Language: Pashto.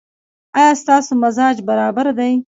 ایا ستاسو مزاج برابر دی؟